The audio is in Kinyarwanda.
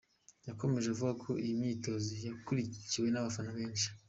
Yakomeje avuga ko iyi myitozo yakurikiwe n’abafana benshi.